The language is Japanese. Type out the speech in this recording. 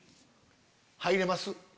入れます？